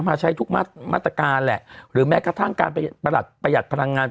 มาใช้ทุกมาตรการแหละหรือแม้กระทั่งการประหลัดประหยัดพลังงาน